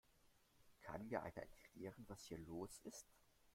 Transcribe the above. Kann mir einer erklären, was hier los ist?